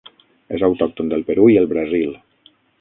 És autòcton del Perú i el Brasil.